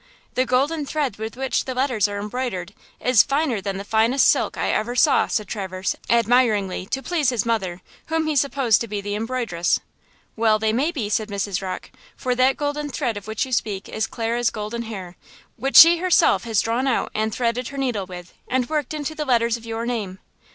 The golden thread with which the letters are embroidered is finer than the finest silk I ever saw!" said Traverse, admiringly, to please his mother, whom he supposed to be the embroideress. "Well they may be!" said Mrs. Rocke, "for that golden thread of which you speak is Clara's golden hair, which she herself has drawn out and threaded her needle with, and worked into the letters of your name."